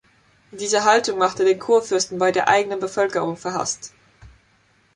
Diese Haltung machte den Kurfürsten bei der eigenen Bevölkerung verhasst.